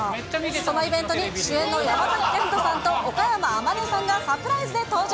そのイベントに、主演の山崎賢人さんと岡山天音さんがサプライズで登場。